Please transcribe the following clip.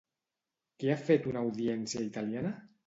Què ha fet una audiència italiana?